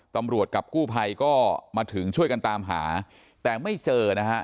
กับกู้ภัยก็มาถึงช่วยกันตามหาแต่ไม่เจอนะฮะ